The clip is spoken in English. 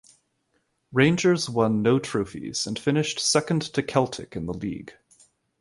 Rangers won no trophies and finished second to Celtic in the league.